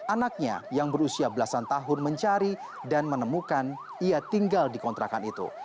anaknya yang berusia belasan tahun mencari dan menemukan ia tinggal di kontrakan itu